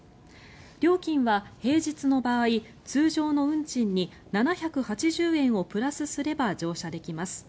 料金は平日の場合通常の運賃に７８０円をプラスすれば乗車できます。